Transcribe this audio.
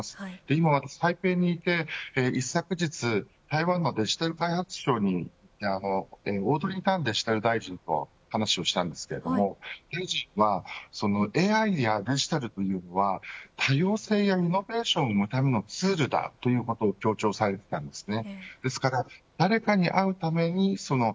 今、台北にいて昨日台湾のデジタル開発庁にオードリー・タンデジタル大臣と話をしたんですけどＡＩやデジタルというのは多様性やリノベーションのためのツールだということを強調されていたんですね。